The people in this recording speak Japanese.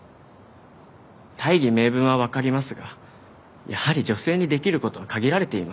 大義名分はわかりますがやはり女性にできる事は限られています。